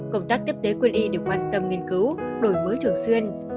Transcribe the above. công tác tiếp tế quân y được quan tâm nghiên cứu đổi mới thường xuyên